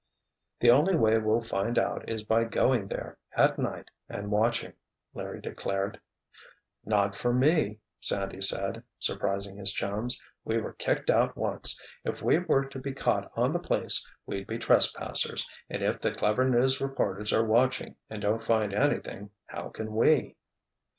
"The only way we'll find out is by going there, at night, and watching," Larry declared. "Not for me," Sandy said, surprising his chums. "We were 'kicked out' once. If we were to be caught on the place we'd be trespassers—and if the clever news reporters are watching and don't find anything, how can we?"